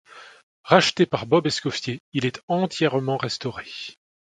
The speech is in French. Racheté par Bob Escoffier, il est entièrement restauré.